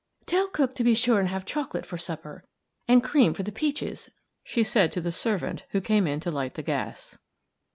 "Tell cook to be sure and have chocolate for supper and cream for the peaches," she said to the servant who came in to light the gas.